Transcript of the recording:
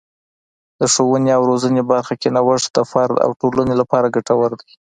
د ښوونې او روزنې برخه کې نوښت د فرد او ټولنې لپاره ګټور دی.